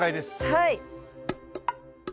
はい。